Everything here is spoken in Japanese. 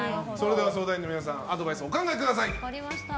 相談員の皆さんアドバイスをお考えください。